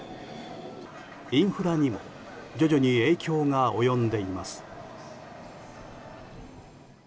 インフラにも徐々に影響が及んでいます。